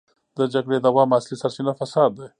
د جګړې د دوام اصلي سرچينه فساد دی.